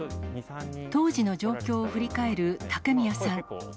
当時の状況を振り返る竹宮さん。